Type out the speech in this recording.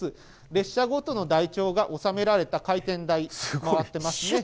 列車ごとの台帳がおさめられた回転台、回ってますね。